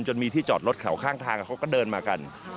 จนมีที่จอดรถแถวข้างทางเขาก็เดินมากัน